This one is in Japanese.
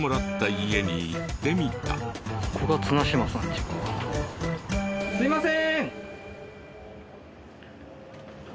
あっすいません。